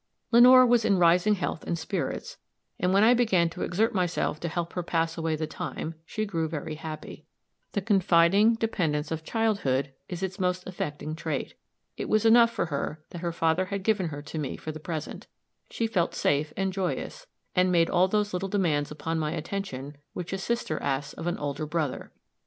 Lenore was in rising health and spirits, and when I began to exert myself to help her pass away the time, she grew very happy. The confiding dependence of childhood is its most affecting trait. It was enough for her that her father had given her to me for the present; she felt safe and joyous, and made all those little demands upon my attention which a sister asks of an older brother.